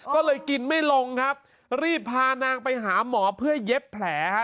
ก็เลยกินไม่ลงครับรีบพานางไปหาหมอเพื่อเย็บแผลฮะ